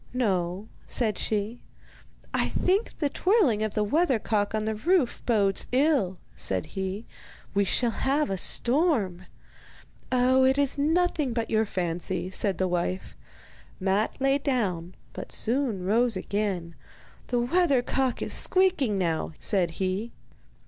'No,' said she. 'I think the twirling of the weathercock on the roof bodes ill,' said he; 'we shall have a storm.' 'Oh, it is nothing but your fancy,' said his wife. Matte lay down, but soon rose again. 'The weathercock is squeaking now,' said he.